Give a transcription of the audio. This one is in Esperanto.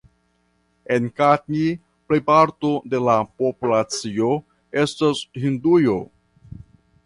En Katni plejparto de la populacio estas hinduoj.